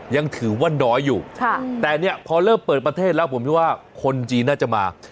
ยังถือว่าน้อยอยู่แต่เนี่ยพอเริ่มเปิดประเทศแล้วผมคิดว่าคนจีนน่าจะมา